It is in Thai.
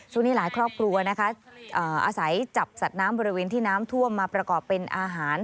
ช่วงนี้หลายครอบครัวนะคะอาศัยจับสัตว์น้ำบริเวณที่น้ำท่วมมาประกอบเป็นอาหาร